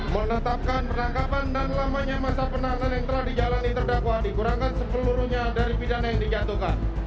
menetapkan penangkapan dan lamanya masa penahanan yang telah dijalani terdakwa dikurangkan sepeluruhnya dari pidana yang dijatuhkan